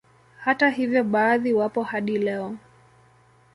Hata hivyo baadhi wapo hadi leo